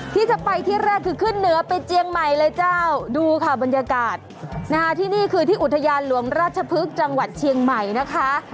ที่จะไปที่แรกคือขึ้นเหนือไปเจียงใหม่เลยเจ้าดูค่ะบรรยากาศที่นี่คือที่อุทยานหลวงราชพฤกษ์จังหวัดเชียงใหม่นะคะ